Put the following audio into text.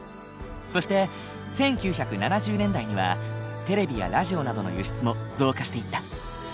そして１９７０年代にはテレビやラジオなどの輸出も増加していった。